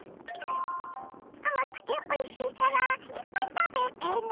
甘くておいしいからいっぱい食べてね！